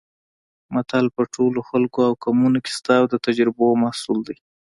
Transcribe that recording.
متل په ټولو خلکو او قومونو کې شته او د تجربو محصول دی